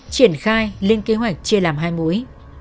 triển khai lên kế hoạch chia làm hai mũi